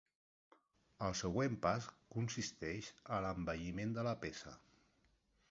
El següent pas consisteix a l'embelliment de la peça.